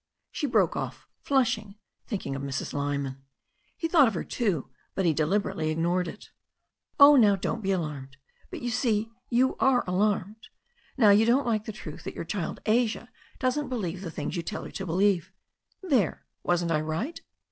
She broke off, flushing, thinking of Mrs. Lyman. He thought of her too, but he deliberately ignored it. *'0h, now, don't be alarmed. But you see, you are alarmed. Now you don't like the truth that your child, Asia, doesn't believe the things you tell her to believe — ^there, wasn't I right?"